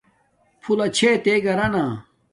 پھولہ چھے تے گھرانا